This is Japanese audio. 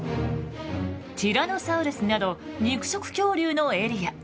ティラノサウルスなど肉食恐竜のエリア。